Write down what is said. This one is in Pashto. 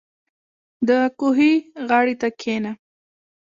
• د کوهي غاړې ته کښېنه.